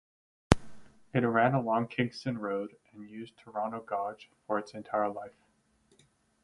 It ran along Kingston Road and used Toronto gauge for its entire life.